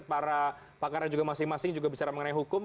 para pakarnya juga masing masing juga bicara mengenai hukum